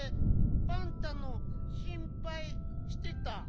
パンタのしんぱいしてた。